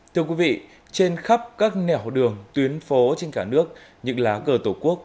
thưa quý vị trên khắp các nẻo đường tuyến phố trên cả nước những lá cờ tổ quốc